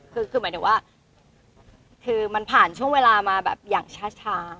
คือหมายถึงว่าคือมันผ่านช่วงเวลามาแบบอย่างช้า